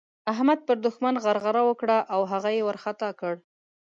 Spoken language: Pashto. احمد پر دوښمن غرغړه وکړه او هغه يې وارخطا کړ.